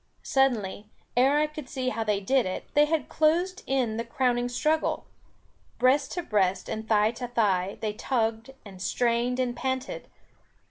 Suddenly, ere I could see how they did it, they had closed in the crowning struggle. Breast to breast, and thigh to thigh, they tugged, and strained, and panted.